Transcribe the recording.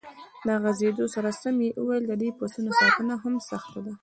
له غځېدو سره سم یې وویل: د دې پسونو ساتنه هم سخته ده.